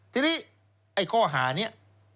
ทีนี้ไอ้ข้อหานี้